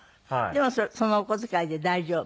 でもそのお小遣いで大丈夫？